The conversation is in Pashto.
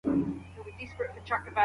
د ښووني پوهنځۍ په زوره نه تحمیلیږي.